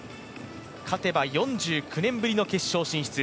勝てば４９年ぶりの決勝進出。